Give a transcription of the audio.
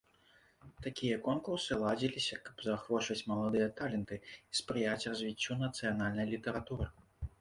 Такія конкурсы ладзіліся, каб заахвочваць маладыя таленты і спрыяць развіццю нацыянальнай літаратуры.